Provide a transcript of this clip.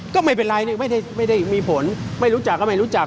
ก็ไม่เป็นไรไม่ได้มีผลไม่รู้จักก็ไม่รู้จัก